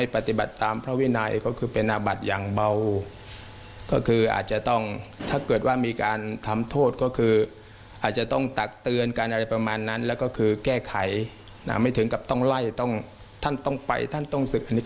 เป็นพระที่บวชในภายหลัง